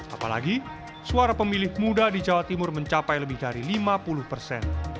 apalagi suara pemilih muda di jawa timur mencapai lebih dari lima puluh persen